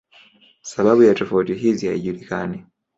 Sababu ya tofauti hizi haijulikani.